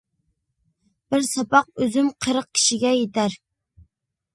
بىر ساپاق ئۈزۈم قىرىق كىشىگە يېتەر.